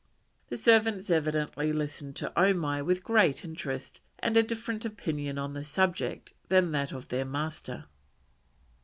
The servants evidently listened to Omai with great interest and a different opinion on the subject than that of their master.